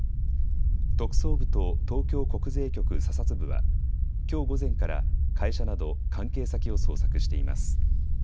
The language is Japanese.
特捜部と東京国税局査察部はきょう午前から会社など関係先を捜索しています。